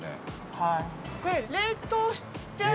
はい。